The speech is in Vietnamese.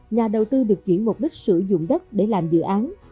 nhà đầu tư được chuyển mục đích sử dụng đất để làm dự án